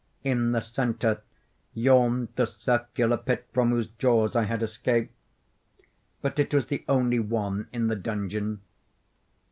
In the centre yawned the circular pit from whose jaws I had escaped; but it was the only one in the dungeon.